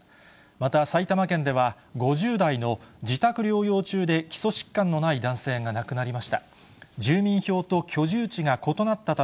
また埼玉県では、５０代の自宅療養中で基礎疾患のない男性が亡くなりました。